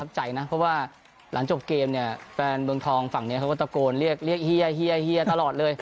เพราะว่าหลังจบเกมเนี่ยแฟนเมืองทองฝั่งนี้เขาก็ตะโกนเรียกเฮียเฮียเฮียตลอดเลย